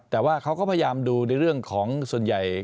แต่ว่าเขาก็พยายามดูในเรื่องของส่วนใหญ่